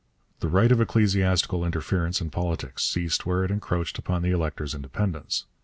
The right of ecclesiastical interference in politics ceased where it encroached upon the elector's independence.